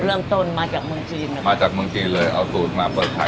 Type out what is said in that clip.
เริ่มต้นมาจากเมืองจีนเลยมาจากเมืองจีนเลยเอาสูตรมาเปิดขาย